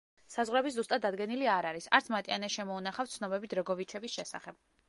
საზღვრები ზუსტად დადგენილი არ არის, არც მატიანეს შემოუნახავს ცნობები დრეგოვიჩების შესახებ.